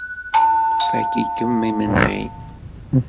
Fakk-ikem imenɣi.